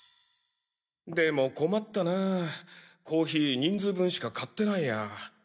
でも困ったなコーヒー人数分しか買ってないや。